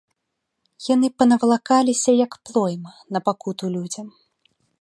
Яны панавалакаліся, як плойма, на пакуту людзям.